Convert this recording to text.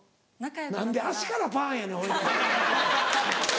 何で足からパンやねんほいで。